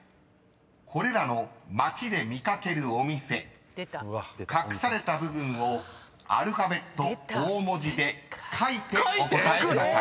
［これらの街で見掛けるお店隠された部分をアルファベット大文字で書いてお答えください］